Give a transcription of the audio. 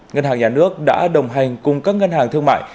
ngân hàng nhà nước đã đồng hành cùng các ngân hàng thương mại